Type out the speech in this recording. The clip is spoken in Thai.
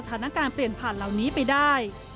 ก้าวผ่านสถานการณ์เปลี่ยนผ่านเหล่านี้ไปได้